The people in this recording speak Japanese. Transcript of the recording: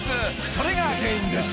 それが原因です］